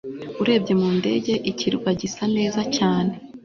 urebye mu ndege, ikirwa gisa neza cyane